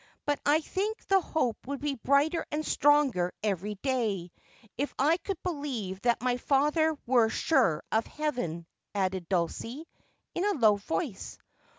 But I think the hope From Darkness into Light, 317 would brighter and stronger every day — if I could believe that my father were sure of heaven,' added Dulcie, in a low voice.